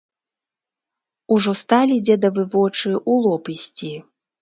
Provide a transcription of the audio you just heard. Ужо сталі дзедавы вочы ў лоб ісці.